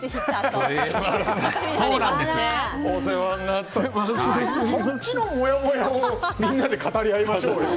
そっちのもやもやをみんなで語り合いましょうよ。